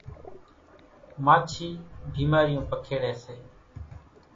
ماڇِي ڀيمارِيوُن پکيڙيَ سي۔